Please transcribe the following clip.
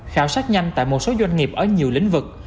khảo sát nhanh tại một số doanh nghiệp ở nhiều địa điểm